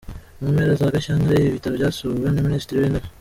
Mu mpera za Gashyantare ibi bitaro byasuwe na Minisitiri w’Intebe